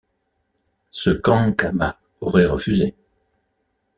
Ce qu'Ankama aurait refusé.